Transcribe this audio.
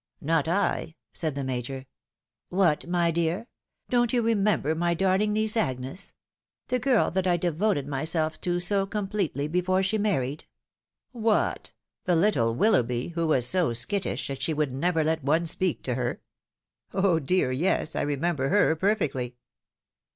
" Not I," said the Major. " What, my dear !— don't you remember my darling niece, Agnes ? The girl that I devoted myself to so completely, before she married ?"" What, the little WUloughby, who was so skittish that she would never let one speak to her. Oh ! dear yes, I remember her perfectly."